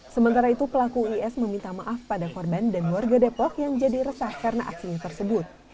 sementara itu pelaku is meminta maaf pada korban dan warga depok yang jadi resah karena aksinya tersebut